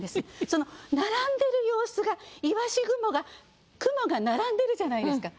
その並んでる様子が鰯雲が雲が並んでるじゃないですか。